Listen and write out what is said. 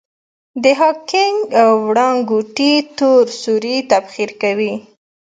د هاکینګ وړانګوټې تور سوري تبخیر کوي.